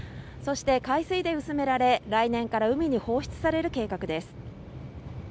そして海水で薄められ来年から海に放出される計画です